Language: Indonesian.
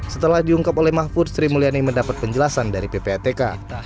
setelah diungkap oleh mahfud sri mulyani mendapat penjelasan dari ppatk